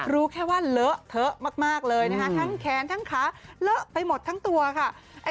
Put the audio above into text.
รู้แค่ว่าเลอะเทอะมากเลยนะคะทั้งแขนทั้งขาเลอะไปหมดทั้งตัวค่ะ